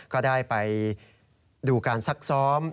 ก็ได้ไปดูการซักซ้อม